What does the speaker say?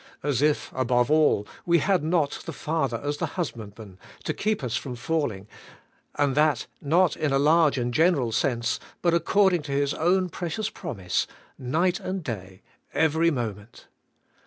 As if, above all, we had not the Father as the Husband man to keep us from falling, and that not in a large and general sense, but according to His own precious promise: ' Night and day^ every moment!''